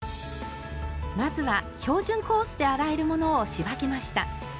まずは標準コースで洗えるものを仕分けました。